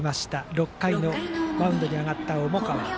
６回のマウンドに上がった重川。